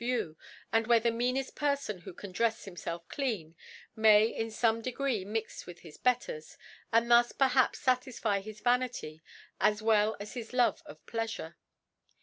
View, and where, the meaneft Pcrfon who can drefs himfelf dean, may in fome degree mix with his B 5 Betters, ( 10 ) Betters, and thus perhaps faiisfy hisVanitjr as well as his l ove of Pleafure